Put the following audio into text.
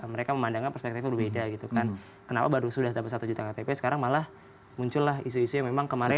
mereka memandangnya perspektifnya berbeda gitu kan kenapa baru sudah dapat satu juta ktp sekarang malah muncul lah isu isu yang memang kemarin